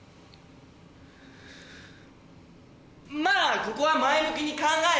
まあここは前向きに考えて。